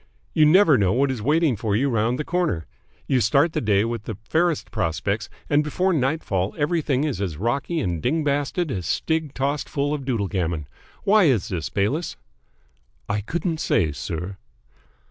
You never know what is waiting for you round the corner. You start the day with the fairest prospects, and before nightfall everything is as rocky and ding basted as stig tossed full of doodlegammon. Why is this, Bayliss?" "I couldn't say, sir."